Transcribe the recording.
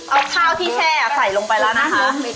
เอาข้าวที่แช่ใส่ลงไปแล้วนะคะ